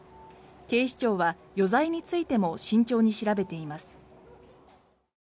警視庁は余罪についても慎重に調べています。